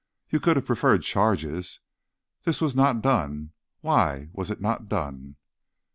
"You could have preferred charges. This was not done. Why was it not done?"